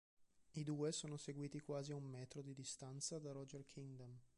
I due sono seguiti, quasi a un metro di distanza, da Roger Kingdom.